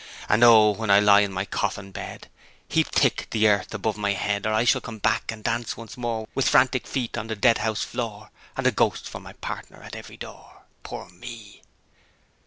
And, oh, when I lie in my coffin bed, Heap thick the earth above my head! Or I shall come back, and dance once more, With frantic feet on the Deadhouse floor, And a ghost for a partner at every door Poor me!